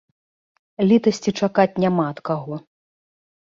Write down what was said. Літасці чакаць няма ад каго.